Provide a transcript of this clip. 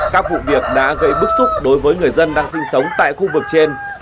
các vụ việc đã gây bức xúc đối với người dân đang sinh sống tại khu vực trên